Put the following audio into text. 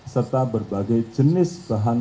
serta berbagai jenis bahan